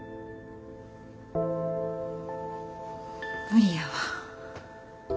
無理やわ。